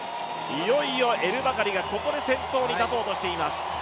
いよいよエルバカリがここで先頭に立とうとしています。